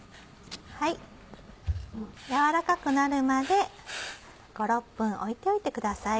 やわらかくなるまで５６分置いておいてください。